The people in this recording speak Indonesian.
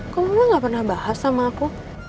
kamu memang gak pernah bahas sama aku